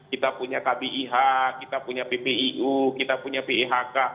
kita punya kbih kita punya ppiu kita punya pihk